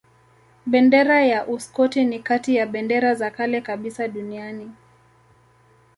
Bendera ya Uskoti ni kati ya bendera za kale kabisa duniani.